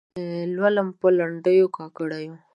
د ښار ټولي کوڅې لولم په لنډېو، کاکړیو